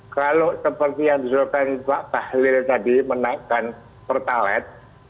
kalau seperti yang disuruhkan pak bahlil tadi menaikkan pertalat